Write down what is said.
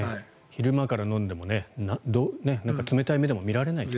昼間から飲んでも冷たい目で見られない。